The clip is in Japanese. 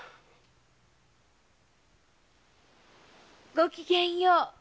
ごきげんよう。